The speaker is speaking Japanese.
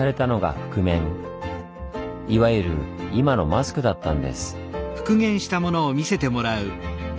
いわゆる今のマスクだったんです。